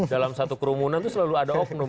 dalam satu kerumunan itu selalu ada oknum